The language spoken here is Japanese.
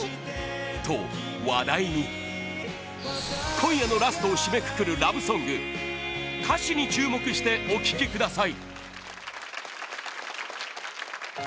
今夜のラストを締めくくるラブソング歌詞に注目してお聴きください